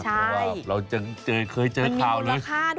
เพราะว่าเราเคยเจอข่าวนี้มีมุนราคาด้วย